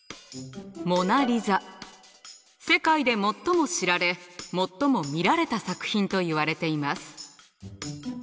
世界で最も知られ最も見られた作品といわれています。